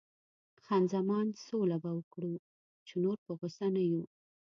خان زمان: سوله به وکړو، چې نور په غوسه نه یو.